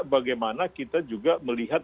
bagaimana kita juga melihat